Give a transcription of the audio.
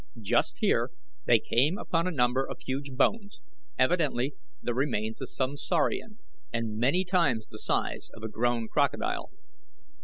Just here they came upon a number of huge bones, evidently the remains of some saurian, and many times the size of a grown crocodile.